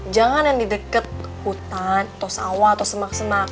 jangan yang di dekat hutan atau sawah atau semak semak